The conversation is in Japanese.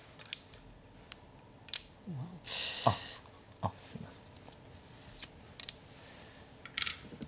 あっすいません。